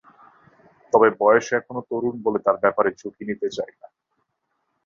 তবে বয়সে এখনো তরুণ বলে তাঁর ব্যাপারে ঝুঁকি নিতে চাই না।